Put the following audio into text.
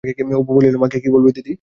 অপু বলিল, মাকে কি বলবি দিদি?